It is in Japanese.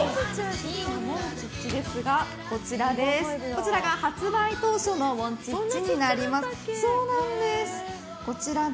Ｂのモンチッチですがこちらが発売当初のモンチッチになります。